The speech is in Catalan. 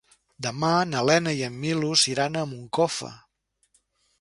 Demà na Lena i en Milos iran a Moncofa.